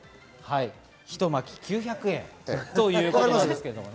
ひと巻、９００円ということです。